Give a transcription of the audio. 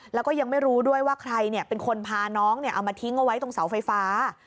แล้วก็ยังไม่รู้ด้วยว่าใครเป็นคนพาน้องเอามาทิ้งเอาไว้ตรงเสาไฟฟ้า